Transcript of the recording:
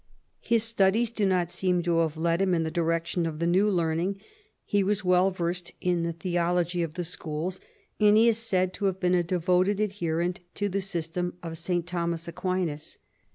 His studies do not seem to have led him in the direction of the new learning ; he was well versed in the theology of the schools, and is said to have been a devoted adherent to the system of St. Thomas Aquinas.